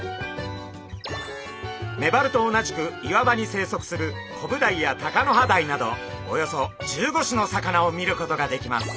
メバルと同じく岩場に生息するコブダイやタカノハダイなどおよそ１５種の魚を見ることができます。